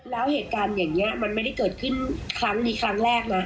แล้วเหตุการณ์อย่างนี้มันไม่ได้เกิดขึ้นครั้งนี้ครั้งแรกนะ